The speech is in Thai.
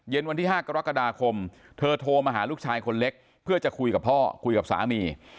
วันที่๕กรกฎาคมเธอโทรมาหาลูกชายคนเล็กเพื่อจะคุยกับพ่อคุยกับสามี